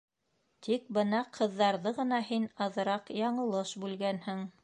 Тик бына ҡыҙҙарҙы ғына һин аҙыраҡ яңылыш бүлгәнһең.